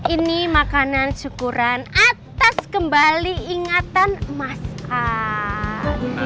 ini makanan syukuran atas kembali ingatan mas amdi